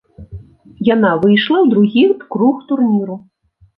Яна выйшла ў другі круг турніру.